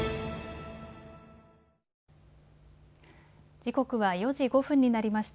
時刻は４時５分になりました。